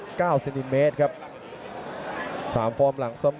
สวัสดิ์นุ่มสตึกชัยโลธสวัสดิ์